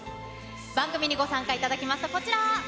番組にご参加いただきますと、こちら。